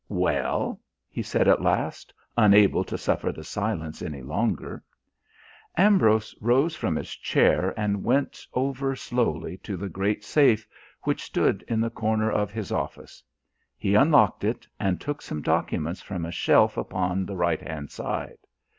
"Well?" he said at last, unable to suffer the silence any longer. Ambrose rose from his chair and went over slowly to the great safe, which stood in the corner of his office; he unlocked it and took some documents from a shelf upon the right hand side.